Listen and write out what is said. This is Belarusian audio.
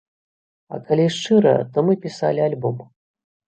А калі шчыра, то мы пісалі альбом.